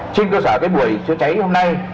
trên cơ sở cái buổi chữa cháy hôm nay